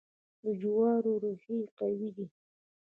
د جوارو ریښې قوي دي.